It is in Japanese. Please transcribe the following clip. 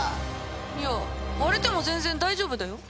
いや割れても全然大丈夫だよ！